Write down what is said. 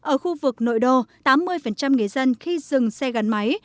ở khu vực nội đô tám mươi người dân khi dừng xe gắn máy